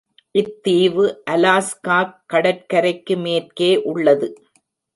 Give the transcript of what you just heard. இத்தீவு அலாஸ்காக் கடற்கரைக்கு மேற்கே உள்ளது.